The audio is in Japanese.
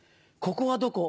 ここはどこ？